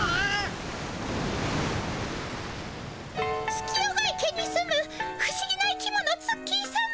月夜が池に住む不思議な生き物ツッキーさま。